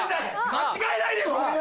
間違えないでしょ！